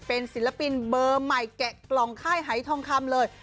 เป็นศิลปินเบอร์ใหม่แกะกล่องค่ายหายทองคำเลย